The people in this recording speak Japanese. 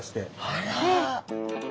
あら。